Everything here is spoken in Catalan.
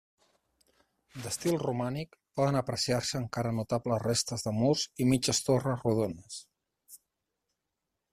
D'estil romànic, poden apreciar-se encara notables restes de murs i mitges torres rodones.